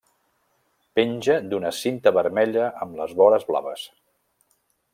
Penja d'una cinta vermella amb les vores blaves.